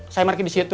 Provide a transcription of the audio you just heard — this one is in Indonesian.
saya markir di situ